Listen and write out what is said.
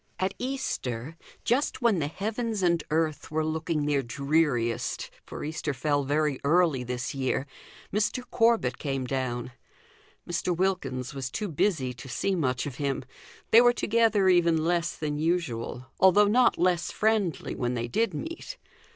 At Easter just when the heavens and earth were looking their dreariest, for Easter fell very early this year Mr. Corbet came down. Mr. Wilkins was too busy to see much of him; they were together even less than usual, although not less friendly when they did meet.